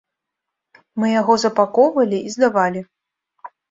Мы яго запакоўвалі і здавалі.